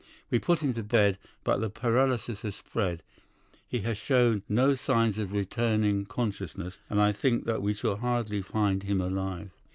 We put him to bed; but the paralysis has spread, he has shown no sign of returning consciousness, and I think that we shall hardly find him alive.